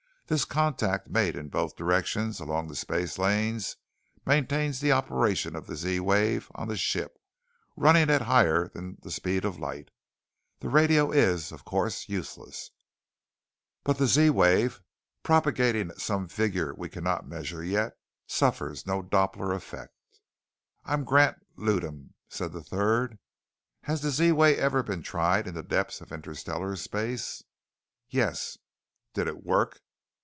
This contact made in both directions along the spacelanes, maintains the operation of the Z wave on the ship, running at higher than the speed of light. The radio is, of course, useless. But the Z wave, propagating at some figure we cannot measure yet, suffers no doppler effect." "I am Grant Lewdan," said the third. "Has the Z wave ever been tried in the depths of interstellar space?" "Yes." "Did it work?"